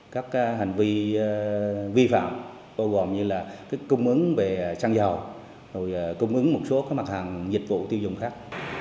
các hành vi vi phạm bao gồm như là cung ứng về trang dầu cung ứng một số mặt hàng dịch vụ tiêu dùng khác